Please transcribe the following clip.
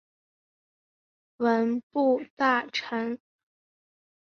文部大臣。